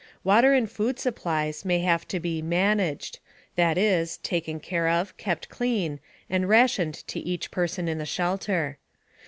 Water and food supplies may have to be "managed" that is, taken care of, kept clean, and rationed to each person in the shelter.